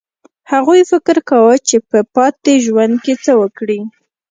هغوی فکر کاوه چې په پاتې ژوند کې څه وکړي